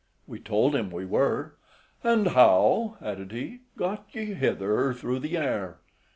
We told him we were. "And how," added he, "got ye hither through the air?"